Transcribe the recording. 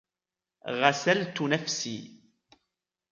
غسلت نفسي.